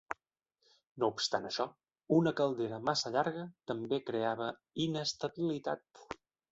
No obstant això, una caldera massa llarga també creava inestabilitat.